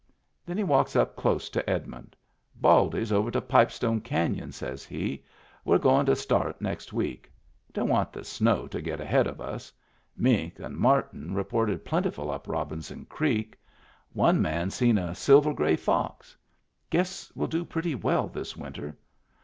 Then he walks up close to Edmund. " Baldy's over to Pipestone Caiion," says he. "We're goin' to start next week. Don't want the snow to get ahead of us. Mink and marten reported plentiful up Robinson Creek. One man seen a silver gray fox. Guess we'll do pretty well this winter.